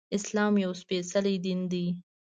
اسلام يو سپيڅلی دين دی